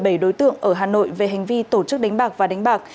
với một mươi bảy đối tượng ở hà nội về hành vi tổ chức đánh bạc và đánh bạc